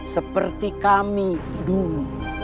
seperti kami dulu